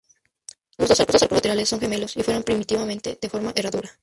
Los dos arcos laterales son gemelos y fueron primitivamente de forma de herradura.